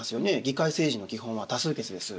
議会政治の基本は多数決です。